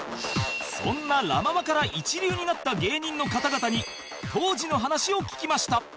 そんなラ・ママから一流になった芸人の方々に当時の話を聞きました